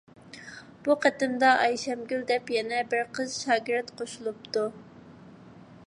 بۇ قېتىمدا ئايشەمگۈل دەپ يەنە بىر قىز شاگىرت قوشۇلۇپتۇ.